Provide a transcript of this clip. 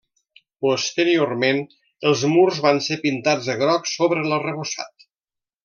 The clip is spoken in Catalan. Posteriorment els murs van ser pintats de groc sobre l'arrebossat.